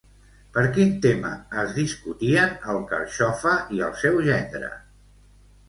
Per quin tema es discutien el Carxofa i el seu gendre?